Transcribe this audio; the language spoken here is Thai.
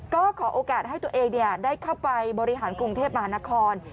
ก็ขอโอกาสให้ตัวเองได้เข้าไปบริหารกรุงเทพมหานคร